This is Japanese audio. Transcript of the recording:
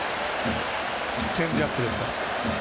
チェンジアップですか。